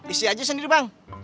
isi aja sendiri bang